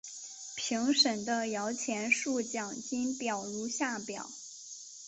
评审的摇钱树奖金表如下表。